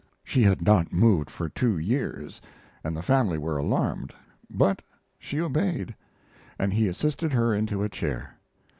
She had not moved for two years, and the family were alarmed, but she obeyed, and he assisted her into a chair.